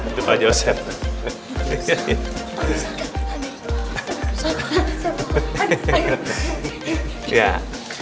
itu pak joseph